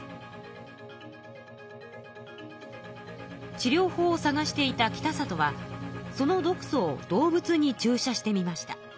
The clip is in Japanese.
治療法をさがしていた北里はその毒素を動物に注射してみました。